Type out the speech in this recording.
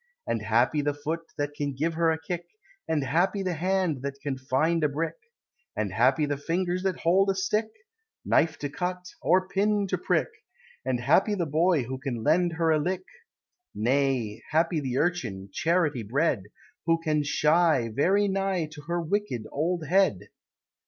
And happy the foot that can give her a kick, And happy the hand that can find a brick And happy the fingers that hold a stick Knife to cut, or pin to prick And happy the Boy who can lend her a lick; Nay, happy the urchin Charity bred, "Who can shy very nigh to her wicked, old head!"